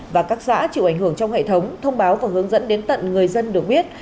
và các xã chịu ảnh hưởng trong hệ thống thông báo và hướng dẫn đến tận người dân được biết